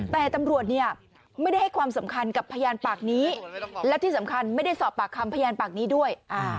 แต่ตำรวจเนี่ยไม่ได้ให้ความสำคัญกับพยานปากนี้แล้วที่สำคัญไม่ได้สอบปากคำพยานปากนี้ด้วย